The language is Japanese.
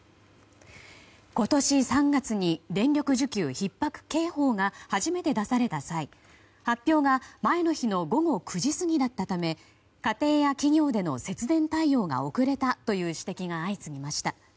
今年３月に電力需給ひっ迫警報が初めて出された際発表が前の日の午後９時過ぎだったため家庭や企業での節電対応が遅れたという指摘が相次ぎました。